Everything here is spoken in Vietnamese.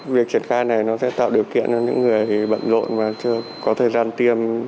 việc triển khai này nó sẽ tạo điều kiện cho những người bận rộn và chưa có thời gian tiêm